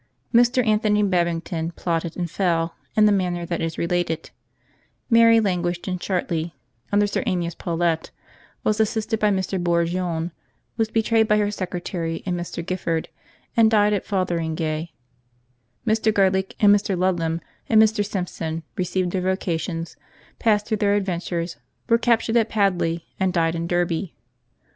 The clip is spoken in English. Mr. Anthony Babington plotted, and fell, in the manner that is related ; Mary languis'hed in Chartley under Sir Amyas Paulet; was assisted by Mr. Bourgoign; was betrayed by her secretary and Mr. Gifford, and died at Fotheringay; Mr. Garlick and Mr. Ludlam and Mr. Simpson received their vocations, passed through their adventures; were captured at Padley, and died in Derby.